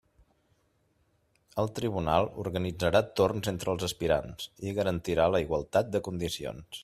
El tribunal organitzarà torns entre els aspirants i garantirà la igualtat de condicions.